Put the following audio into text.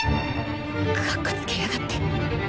かっこつけやがって！